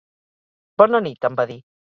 Bona nit em va dir